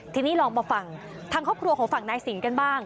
ทีนี้ลองมาฟังทางครอบครัวของฝั่งนายสิงกันบ้าง